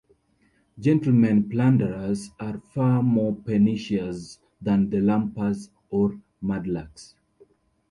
Gentlemen plunderers are far more pernicious than the lumpers or mudlarks.